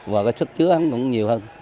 và cái sức chứa cũng nhiều hơn